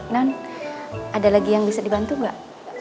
nan ada lagi yang bisa dibantu nggak